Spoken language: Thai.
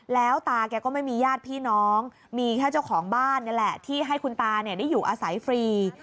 แล้วตาแกก็ไม่มีญาติพี่น้องมีแค่เจ้าของบ้านนี่แหละที่ให้คุณตาได้อยู่อาศัยฟรี